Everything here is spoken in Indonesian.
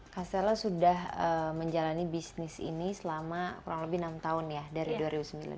castella sudah menjalani bisnis ini selama kurang lebih enam tahun